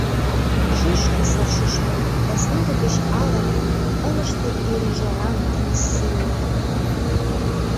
Шӱшкӧ, сар шӱшпык, да снеге гыч алын Ылыжте эр ӱжарам тыныс семлан.